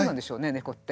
猫って。